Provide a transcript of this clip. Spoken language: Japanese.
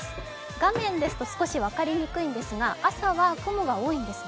画面では分かりづらいんですが朝は雲が多いんですね。